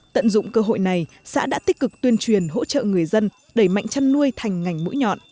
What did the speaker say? tận dụng cơ hội này xã đã tích cực tuyên truyền hỗ trợ người dân đẩy mạnh chăn nuôi thành ngành mũi nhọn